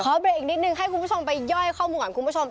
เบรกอีกนิดนึงให้คุณผู้ชมไปย่อยข้อมูลก่อนคุณผู้ชม